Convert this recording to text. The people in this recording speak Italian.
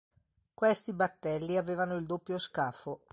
Questi battelli avevano il doppio scafo.